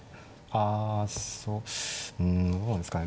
あそううんどうなんですかね。